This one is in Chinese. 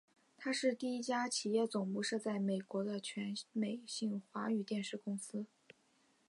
它是第一家企业总部设在美国的全美性华语电视公司。